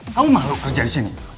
kamu malu kerja disini